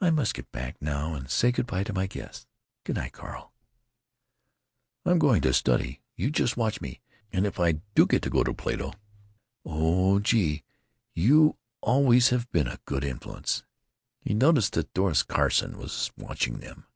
"I must get back now and say good by to my guests. Good night, Carl." "I am going to study—you just watch me; and if I do get to go to Plato——Oh, gee! you always have been a good influence——" He noticed that Doris Carson was watching them.